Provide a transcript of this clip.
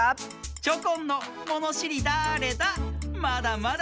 チョコンの「ものしりだれだ？」